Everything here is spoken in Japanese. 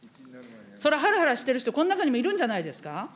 そらはらはらしてる人、この中にもいるんじゃないですか。